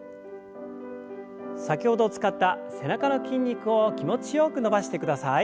先ほど使った背中の筋肉を気持ちよく伸ばしてください。